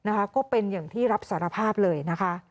นะคะก็เป็นอย่างที่รับสารภาพเลยนะคะ